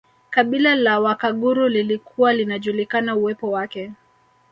Kabila la Wakaguru lilikuwa linajulikana uwepo wake